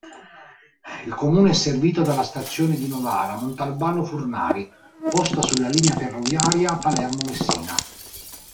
Il Comune è servito dalla stazione di Novara-Montalbano-Furnari, posta sulla linea ferroviaria Palermo–Messina.